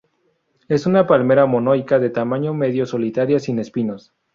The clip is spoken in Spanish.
Es una palmera monoica de tamaño medio, solitaria, sin espinos.